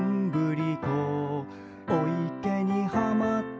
「お池にはまって」